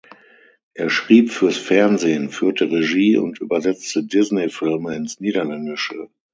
Er schrieb fürs Fernsehen, führte Regie und übersetzte Disney-Filme ins Niederländische.